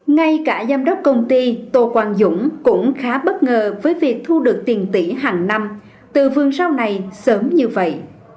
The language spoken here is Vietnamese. ngay cả giám đốc công ty tô quang dũng cũng khá bất ngờ với việc thu được tiền tỷ hàng năm từ vườn rau này sớm như vậy